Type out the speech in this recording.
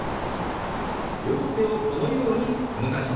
両手をこのように動かしますよ。